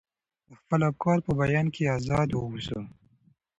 د خپلو افکارو په بیان کې ازاد واوسو.